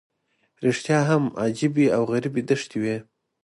رښتیا هم عجیبې او غریبې دښتې دي.